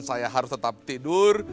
saya harus tetap tidur